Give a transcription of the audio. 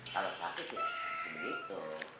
kalau sakit ya begitu